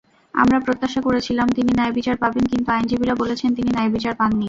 আমরা প্রত্যাশা করেছিলাম তিনি ন্যায়বিচার পাবেন, কিন্তু আইনজীবীরা বলেছেন, তিনি ন্যায়বিচার পাননি।